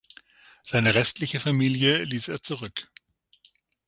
Seine restliche Familie ließ er zurück.